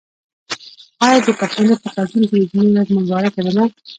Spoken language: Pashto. آیا د پښتنو په کلتور کې د جمعې ورځ مبارکه نه ده؟